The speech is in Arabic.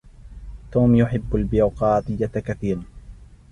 توم يحب البيروقراطية كثيرا.